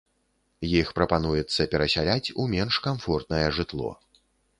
Іх прапануецца перасяляць у менш камфортнае жытло.